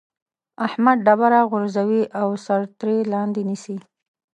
احمد ډبره غورځوي او سر ترې لاندې نيسي.